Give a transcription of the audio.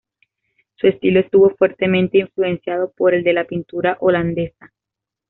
Su estilo estuvo fuertemente influenciado por el de la pintura holandesa.